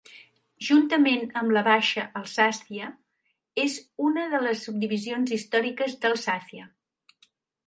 Juntament amb la Baixa Alsàcia és una de les subdivisions històriques d'Alsàcia.